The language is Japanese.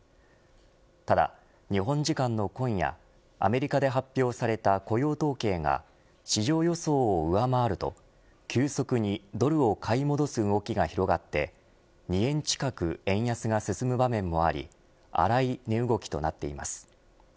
ただ日本時間の今夜アメリカで発表された雇用統計が市場予想を上回ると急速にドルを買い戻す動きが広がって２円近く円安が進む場面もあり荒い値動きとなっています。